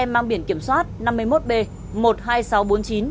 mang biển kiểm soát năm mươi một b một mươi hai nghìn sáu trăm bốn mươi chín